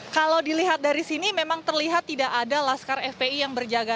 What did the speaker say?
kalau dilihat dari sini memang terlihat tidak ada laskar fpi yang berjaga